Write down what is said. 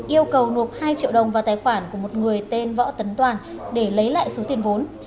yêu cầu nộp hai triệu đồng vào tài khoản của một người tên võ tấn toàn để lấy lại số tiền vốn